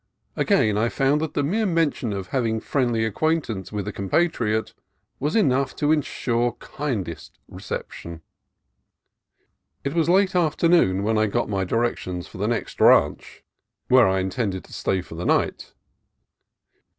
Again I found that the mere mention of having friendly acquaintance with a compatriot was enough to ensure the kindest reception. It was late afternoon when I got my directions for the next ranch, where I intended to stay for the 198 CALIFORNIA COAST TRAILS night.